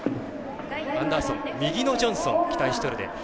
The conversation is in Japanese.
アンダーソン右のジョンソン、期待しとるで。